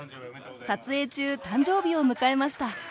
撮影中誕生日を迎えました。